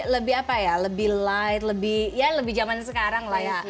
lebih apa ya lebih light lebih jaman sekarang lah ya